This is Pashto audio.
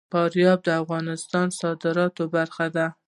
فاریاب د افغانستان د صادراتو برخه ده.